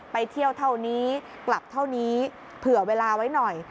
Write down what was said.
ไปเที่ยวเท่านี้กลับเท่านี้เผื่อเวลาไว้หน่อย